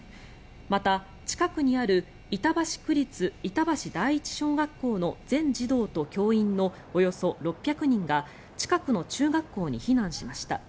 また、近くにある板橋区立板橋第一小学校の全児童と教員のおよそ６００人が近くの中学校に避難しました。